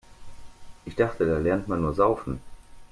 Ich dachte, da lernt man nur Saufen.